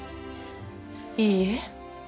いいえ。